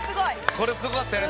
これすごかったよね